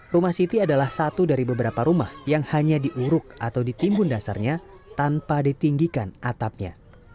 rumah siti adalah satu dari beberapa rumah yang hanya diuruk atau ditimbun dasarnya tanpa ditinggikan atapnya